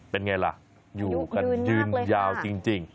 เป็นไงล่ะอยู่กันยืนยาวจริง